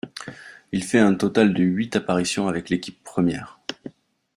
Il fait un total de huit apparitions avec l'équipe première.